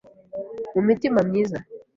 Mu mitima myiza